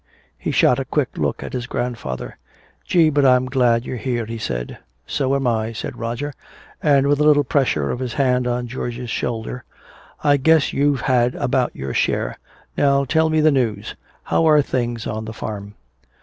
He shot a quick look at his grandfather. "Gee, but I'm glad you're here!" he said. "So am I," said Roger. And with a little pressure of his hand on George's shoulder, "I guess you've had about your share. Now tell me the news. How are things on the farm?"